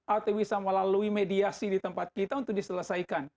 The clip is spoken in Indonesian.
atau bisa melalui mediasi di tempat kita untuk diselesaikan